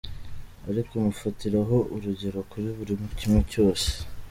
Ariko mufatiraho urugero kuri buri kimwe cyose.